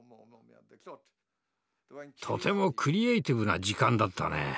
とてもクリエーティブな時間だったね。